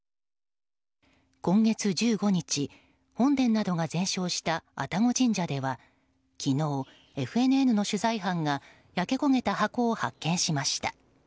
今月１５日、本殿などが全焼した愛宕神社では昨日、ＦＮＮの取材班が焼け焦げた箱を発見しました。